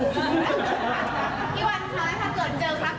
อีกหลายอะไรหรอยังไงคะ